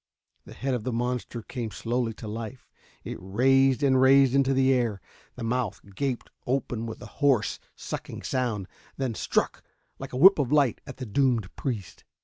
The head of the monster came slowly to life. It raised and raised into the air. The mouth gaped open with a hoarse, sucking sound, then struck, like a whip of light, at the doomed priest.